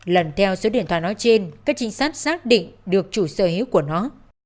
lần theo số điện thoại nói trên các chính sách xác định được chủ sở hữu của nó